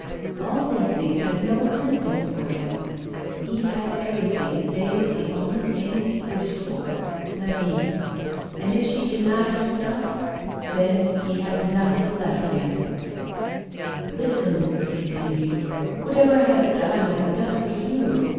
All these things had no existence for him. lie had everything, save the only thing he wished for — Flavie. And if she denied herself, then he had nothing left him 1 "Listen," he continued; "whatever I have done, I have done for you.